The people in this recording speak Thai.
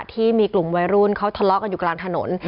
ที่มีกลุ่มวัยรุ่นเขาทะเลาะกันอยู่กลางถนน